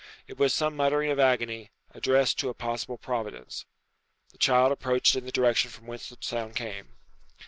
It was some muttering of agony, addressed to a possible Providence. The child approached in the direction from whence the sound came.